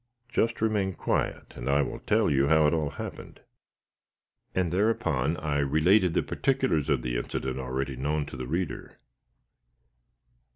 Just remain quiet, and I will tell you how it all happened." And thereupon I related the particulars of the incident already known to the reader.